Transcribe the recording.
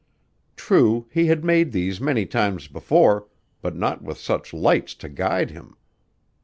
True, he had made these many times before, but not with such lights to guide him.